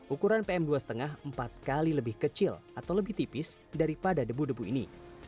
ukuran pm dua lima empat kali lebih kecil atau lebih tipis daripada debu debu ini